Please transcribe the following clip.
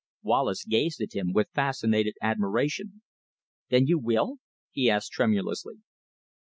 Wallace gazed at him with fascinated admiration. "Then you will?" he asked tremulously.